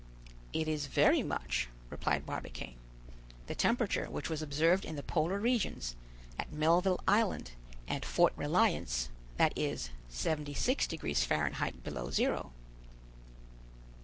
"It is very much," replied Barbicane; "the temperature which was observed in the polar regions, at Melville Island and Fort Reliance, that is 76° Fahrenheit below zero."